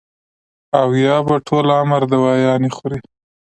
او يا به ټول عمر دوايانې خوري -